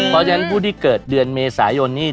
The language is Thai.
เพราะฉะนั้นผู้ที่เกิดเดือนเมษายนนี้